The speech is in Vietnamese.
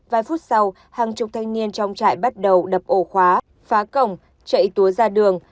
vài phút sau hàng chục thanh niên trong trại bắt đầu đập ổ khóa phá cổng chạy túa ra đường